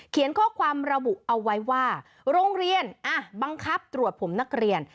ข้อความระบุเอาไว้ว่าโรงเรียนบังคับตรวจผมนักเรียน